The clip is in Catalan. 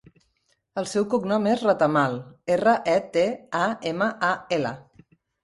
El seu cognom és Retamal: erra, e, te, a, ema, a, ela.